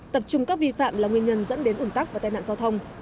tập trung các vi phạm là nguyên nhân dẫn đến ủng tắc và tai nạn giao thông